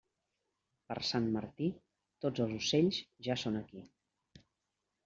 Per Sant Martí, tots els ocells ja són aquí.